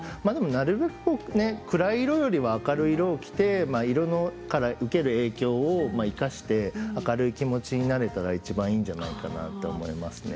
なるべく暗い色よりは明るい色を着て色から受ける影響を生かして明るい気持ちになれたらいちばんいいんじゃないかなと思いますね。